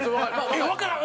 わからん！